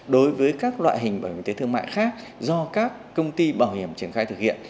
đối với các loại hình bảo hiểm y tế thương mại khác do các công ty bảo hiểm triển khai thực hiện